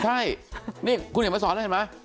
ใช่นี่คุณเห็นมาสอนแล้วเห็นไหม